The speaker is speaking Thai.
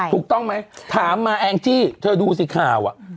ถูกต้องไหมถามมาแอ้งจิเธอดูสิค่าว